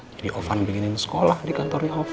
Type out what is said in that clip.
jadi ovan bikinin sekolah di kantornya ovan